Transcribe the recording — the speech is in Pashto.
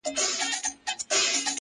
کله هسک ته کله ستورو ته ختلای،